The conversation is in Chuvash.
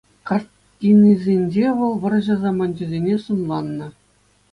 Картинисенче вӑл вӑрҫӑ саманчӗсене сӑнланнӑ.